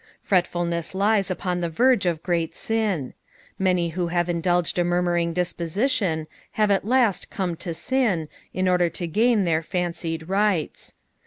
Pretfulness lies upon the verge of great sin. Many who have indulged a mur muring disposition have at last come to sin, in order to ^u their fancied rights.